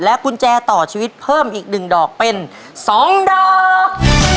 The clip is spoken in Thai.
กุญแจต่อชีวิตเพิ่มอีก๑ดอกเป็น๒ดอก